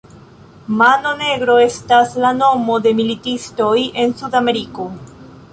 Mano Negro estas la nomo de militistoj en Sudameriko.